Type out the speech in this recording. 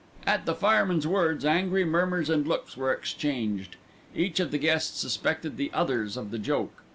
At the fireman's words angry murmurs and looks were exchanged. Each of the guests suspected the others of the joke.